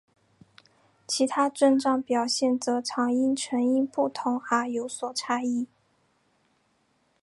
其他症状表现则常因成因不同而有所差异。